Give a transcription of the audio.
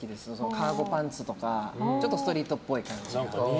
カーゴパンツとかストリートっぽい感じ。